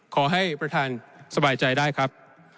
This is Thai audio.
ขอให้ประธานสบายใจได้ครับ